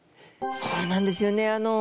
そうなんですよね